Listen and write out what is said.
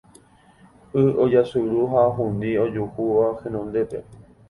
Y ojasuru ha ohundi ojuhúva henondépe